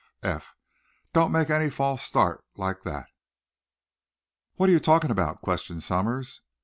"Eph! Eph! Don't make any false start like that!" "What are you talking about?" questioned Somers.